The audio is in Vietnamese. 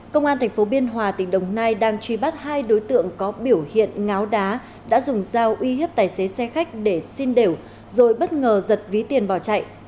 công an tp biên hòa tỉnh đồng nai đang truy bắt hai đối tượng có biểu hiện ngáo đá đã dùng dao uy hiếp tài xế xe khách để xin đều rồi bất ngờ giật ví tiền bỏ chạy